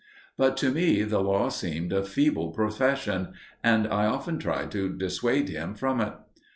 But to me the law seemed a feeble profession, and I often tried to dissuade him from it.